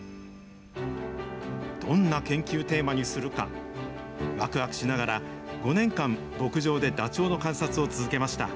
どんな研究テーマにするか、わくわくしながら５年間、牧場でダチョウの観察を続けました。